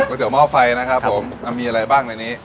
เตี๋ยหม้อไฟนะครับผมมีอะไรบ้างในนี้